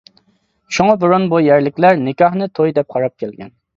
شۇڭا، بۇرۇن بۇ يەرلىكلەر نىكاھنى توي دەپ قاراپ كەلگەن.